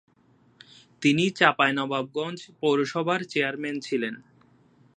তিনি চাঁপাইনবাবগঞ্জ পৌরসভার চেয়ারম্যান ছিলেন।